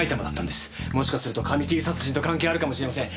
もしかすると髪切り殺人と関係あるかもしれません。